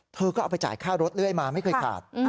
เธอก็เอาไปจ่ายค่ารถเรื่อยมาไม่เคยขาด